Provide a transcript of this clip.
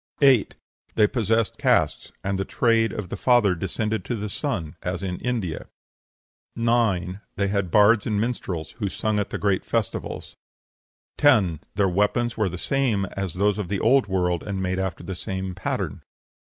8. They possessed castes; and the trade of the father descended to the son, as in India. 9. They had bards and minstrels, who sung at the great festivals. 10. Their weapons were the same as those of the Old World, and made after the same pattern.